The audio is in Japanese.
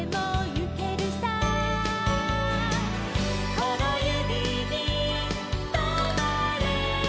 「このゆびにとまれ」